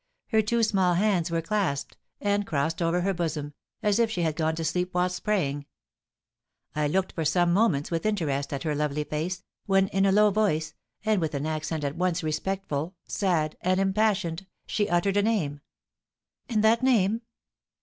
Her two small hands were clasped, and crossed over her bosom, as if she had gone to sleep whilst praying. I looked for some moments with interest at her lovely face, when, in a low voice, and with an accent at once respectful, sad, and impassioned, she uttered a name." "And that name?"